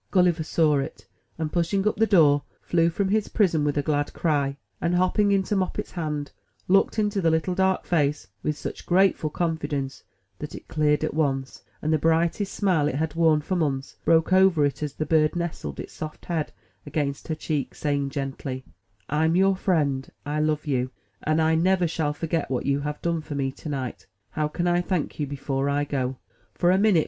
Gulliver saw it, and, pushing up the door, flew from his prison with a glad cry; and, hopping into Moppet's hand, looked into the little dark face with such grateful confidence that it cleared at once, and the brightest smile it had worn for months broke over it as the bird nestled its soft head against her cheek, saying gently : '^I'm your friend ; I love you, and I never shall forget what you have done for me to night. How can I thank you before I go?" For a minute.